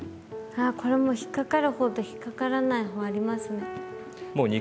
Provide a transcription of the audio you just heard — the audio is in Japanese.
あこれも引っ掛かる方と引っ掛からない方ありますね。